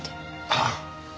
ああ。